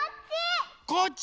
こっち。